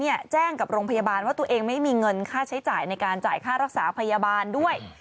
แจ้งกับโรงพยาบาลว่าตัวเองไม่มีเงินค่าใช้จ่ายในการจ่ายค่ารักษาพยาบาลด้วย